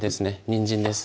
にんじんです